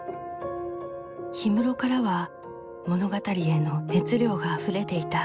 氷室からは物語への熱量があふれていた。